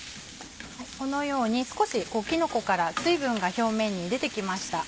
このように少しキノコから水分が表面に出てきました。